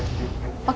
tunggu sebentar ya pak